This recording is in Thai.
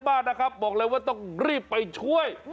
มากนะครับบอกเลยว่าต้องรีบไปช่วย